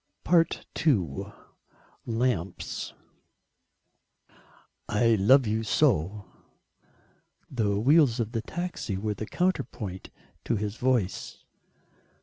II: LAMPS "I love you so." The wheels of the taxi were the counterpoint to his voice.